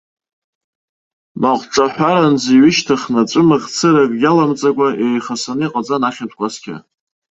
Маҟҿаҳәаранӡа иҩышьҭыхны, ҵәымӷ цыракгьы аламҵакәа, еихасаны иҟаҵан ахьатә кәасқьа.